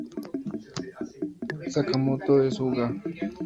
Sakamoto desu ga?